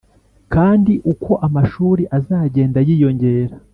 Kandi uko amashuri azagenda yiyongera